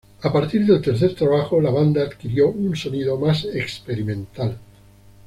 A partir del tercer trabajo, la banda adquirió un sonido más experimental.